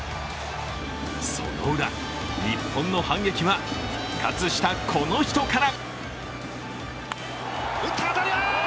そのウラ、日本の反撃は復活したこの人から。